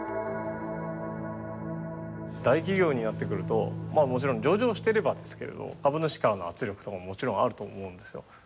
大企業になってくるともちろん上場してればですけれど株主からの圧力とかもちろんあると思うんですよ。